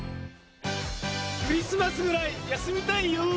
クリスマスぐらい休みたいよ。